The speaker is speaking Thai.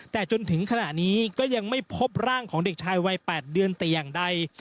แต่จนถึงขณะนี้ก็ยังไม่พบร่างของเด็กชายวัย๘เดือนแต่อย่างใด